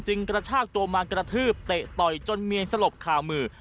กระชากตัวมากระทืบเตะต่อยจนเมียนสลบคามือ